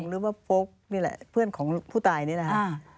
หรือว่าโฟกนี่แหละเพื่อนของผู้ตายนี่แหละครับ